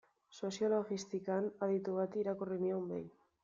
Soziolinguistikan aditu bati irakurri nion behin.